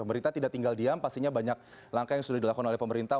pemerintah tidak tinggal diam pastinya banyak langkah yang sudah dilakukan oleh pemerintah